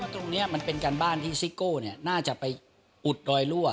ตรงนี้มันเป็นการบ้านที่ซิโก้น่าจะไปอุดรอยรั่ว